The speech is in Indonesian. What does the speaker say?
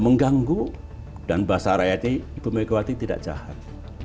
mengganggu dan bahasa rakyatnya ibu megawati tidak jahat